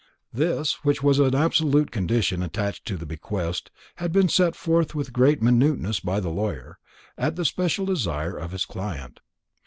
This, which was an absolute condition attached to the bequest, had been set forth with great minuteness by the lawyer, at the special desire of his client.